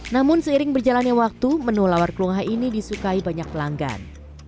namun seiring berjalannya waktu menu lawar kelungha ini disukai banyak pelanggan